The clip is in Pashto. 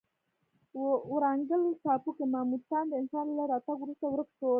ورانګل ټاپو کې ماموتان د انسان له راتګ وروسته ورک شول.